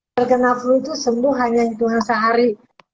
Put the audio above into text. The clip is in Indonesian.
kalau kena flu itu sembuh hanya cuma sehari